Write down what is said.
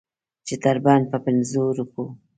چې تر بنده په پنځو روپو.